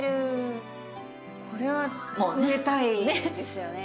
これは植えたいですよね。